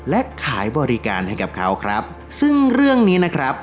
และขายบริการให้กับเขาครับซึ่งเรื่องนี้นะครับ